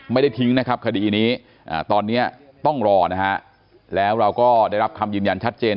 ไม่ได้ทิ้งนะครับคดีนี้ตอนนี้ต้องรอนะฮะแล้วเราก็ได้รับคำยืนยันชัดเจน